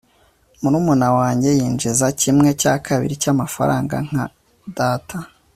murumuna wanjye yinjiza kimwe cya kabiri cyamafaranga nka data